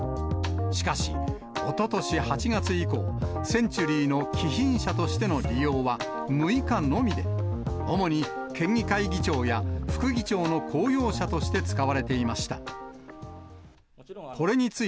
しかし、おととし８月以降、センチュリーの貴賓車としての利用は６日のみで、主に県議会議長や副議長の公用車として使われていました。